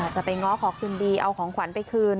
จะไปง้อขอคืนดีเอาของขวัญไปคืน